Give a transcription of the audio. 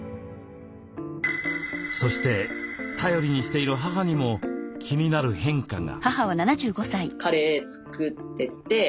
そして頼りにしている母にも気になる変化が。